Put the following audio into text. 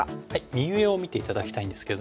右上を見て頂きたいんですけれども。